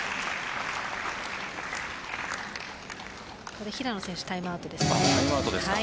ここで平野選手タイムアウトです。